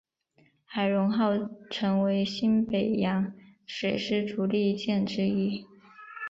海容号成为新北洋水师主力舰之一。